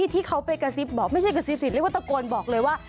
ที่เขาไปกระซิบบอกไม่ใช่กระซิบเรียกว่าตะโกนบอกเลยว่า